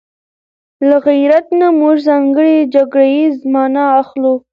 له غيرت نه موږ ځانګړې جګړه ييزه مانا اخلو